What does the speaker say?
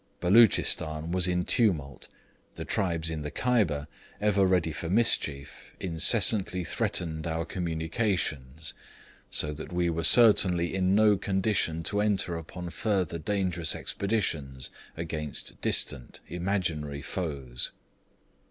Beloochistan was in tumult; the tribes in the Kyber, ever ready for mischief, incessantly threatened our communications; so that we were certainly in no condition to enter upon further dangerous expeditions against distant imaginary foes.